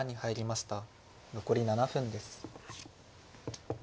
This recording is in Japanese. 残り７分です。